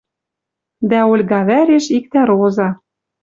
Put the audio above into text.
Дӓ Ольга вӓреш иктӓ Роза